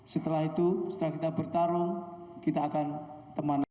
setelah itu setelah kita bertarung kita akan teman lagi